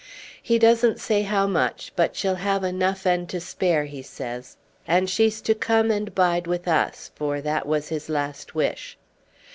"He doesn't say how much, but she'll have enough and to spare, he says. And she's to come and bide with us, for that was his last wish."